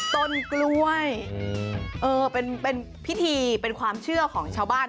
ต้นกล้วยเป็นพิธีเป็นความเชื่อของชาวบ้าน